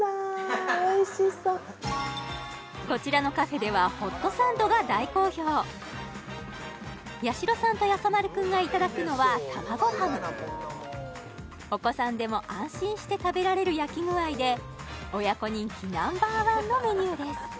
こちらのカフェではホットサンドが大好評やしろさんとやさ丸くんがいただくのはたまごハムお子さんでも安心して食べられる焼き具合で親子人気ナンバーワンのメニューです